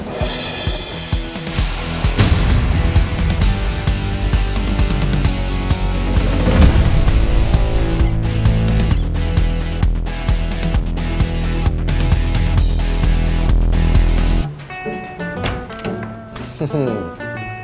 jangan lupa untuk berlangganan